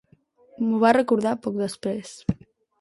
M'ho va recordar poc després.